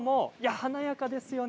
華やかですね。